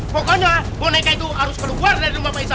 pokoknya boneka itu harus keluar dari rumah pak wicak